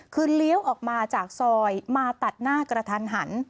คือเลี้ยวออกมาจากซอยมาตัดหน้ากระทันหัน